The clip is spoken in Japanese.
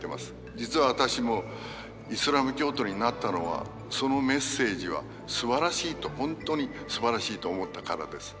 実は私もイスラム教徒になったのはそのメッセージはすばらしいと本当にすばらしいと思ったからです。